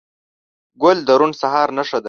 ګل د روڼ سهار نښه ده.